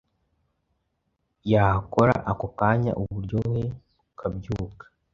yahakora ako kanya uburyohe bukabyuka